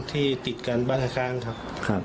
ที่ติดกันบ้านข้างครับ